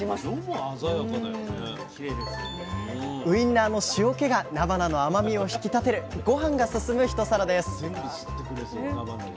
ウインナーの塩気がなばなの甘みを引き立てるごはんが進む一皿です